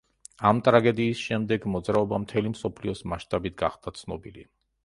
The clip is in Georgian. ამ ტრაგედიის შემდეგ მოძრაობა მთელი მსოფლიოს მასშტაბით გახადა ცნობილი.